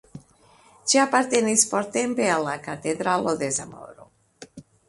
Ĝi apartenis portempe al la Katedralo de Zamoro.